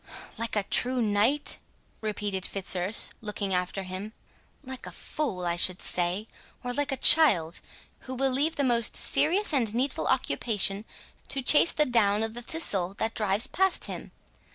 "Like a true knight?" repeated Fitzurse, looking after him; "like a fool, I should say, or like a child, who will leave the most serious and needful occupation, to chase the down of the thistle that drives past him.